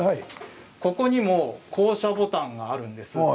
ここに降車ボタンがあります。